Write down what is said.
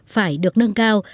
phải được nâng cao